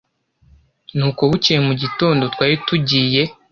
Nuko bukeye mu gitondo twaritugiye